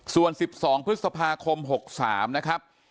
ส่วน๑๒พฤษภาคม๖๓นะครับ